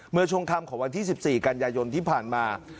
เมื่อช่วงค่ำของวันที่๑๔กันยายนที่ผ่านมา